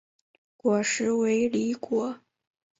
果实为离果。